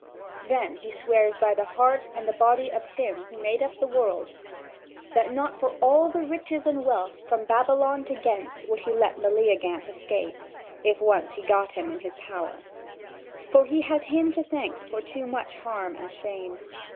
Then he swears by the heart and body of Him who made the world that not for all the riches and wealth from Babylon to Ghent would he let Meleagant escape, if he once got him in his power: for he has him to thank for too much harm and shame!